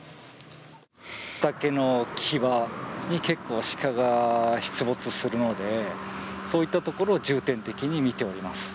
畑の際に結構シカが出没するので、そういった所を重点的に見ております。